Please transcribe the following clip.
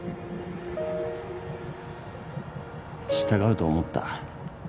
従うと思った？